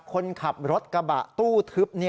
คนขับรถกระบะตู้ทึบ